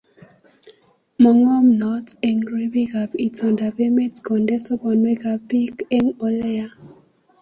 Mo ngomnon eng ribikap itondap emet konde sobonwekab bik eng Ole ya